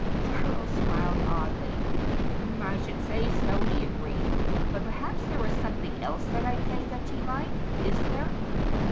Cyril smiled oddly. "I should say so," he agreed. "But perhaps there is something else that I play that you like. Is there?"